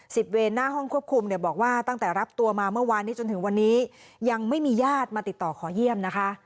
เวนหน้าห้องควบคุมเนี่ยบอกว่าตั้งแต่รับตัวมาเมื่อวานนี้จนถึงวันนี้ยังไม่มีญาติมาติดต่อขอเยี่ยมนะคะ